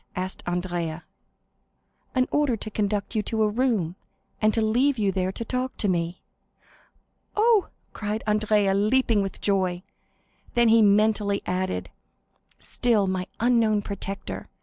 asked Andrea. "An order to conduct you to a room, and to leave you there to talk to me." "Oh," cried Andrea, leaping with joy. Then he mentally added,—"Still my unknown protector!